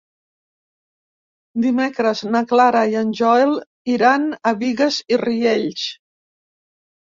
Dimecres na Clara i en Joel iran a Bigues i Riells.